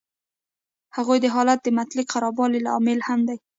هغوی د حالت د مطلق خرابوالي لامل هم دي